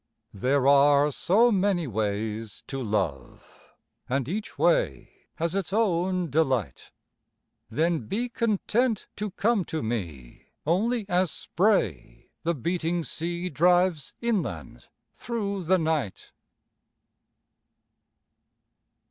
There are so many ways to love And each way has its own delight Then be content to come to me Only as spray the beating sea Drives inland through the night.